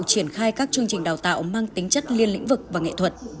triển khai các chương trình đào tạo mang tính chất liên lĩnh vực và nghệ thuật